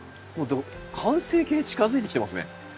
完成形近づいてきてますね。